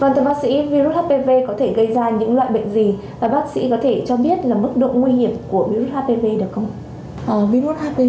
vâng thưa bác sĩ virus hpv có thể gây ra những loại bệnh gì